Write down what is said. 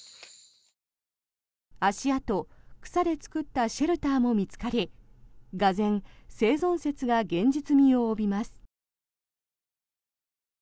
足跡草で作ったシェルターも見つかりがぜん生存説が現実味を帯びます。